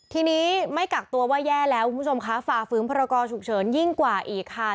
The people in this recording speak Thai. ทีนี้ไม่กักตัวว่าแย่แล้วคุณผู้ชมคะฝ่าฝืนพรกรฉุกเฉินยิ่งกว่าอีกค่ะ